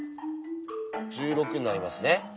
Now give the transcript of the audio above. １６になりますね。